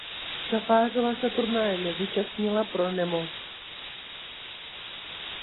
Šafářová se turnaje nezúčastnila pro nemoc.